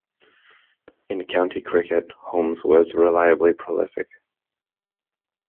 In county cricket, Holmes was reliably prolific.